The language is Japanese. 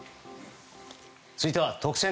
続いては特選！！